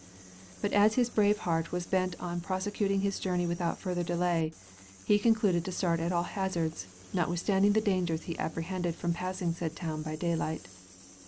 But as his brave heart was bent on prosecuting his journey without further delay, he concluded to start at all hazards, notwithstanding the dangers he apprehended from passing said town by daylight.